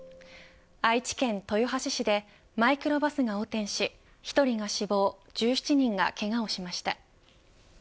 愛知県豊橋市でマイクロバスが横転し１人が死亡１７人がけがをしました。